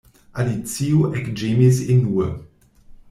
Alicio ekĝemis enue.